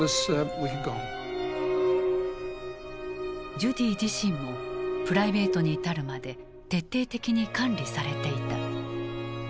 ジュディ自身もプライベートに至るまで徹底的に管理されていた。